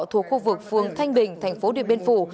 thuộc khu vực phương thanh bình thành phố điện biên phủ